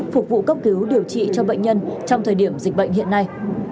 phục vụ cấp cứu điều trị cho bệnh nhân trong thời điểm dịch bệnh hiện nay